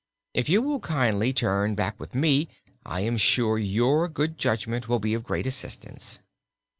If you will kindly turn back with me I am sure your good judgment will be of great assistance."